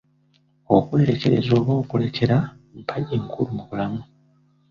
Okwerekereza oba okulekera mpagi nkulu mu bulamu.